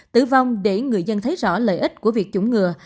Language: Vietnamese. tử vong để người dân thấy rõ lợi ích của việc chủng ngừa